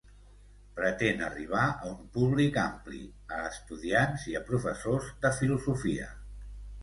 Pretén arribar a un públic ampli, a estudiants i a professors de filosofia.